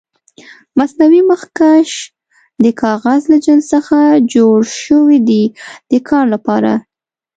مصنوعي مخکش د کاغذ له جنس څخه جوړ شوي دي د کار لپاره.